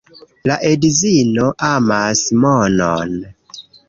La edzino amas monon.